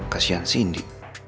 kasian si indi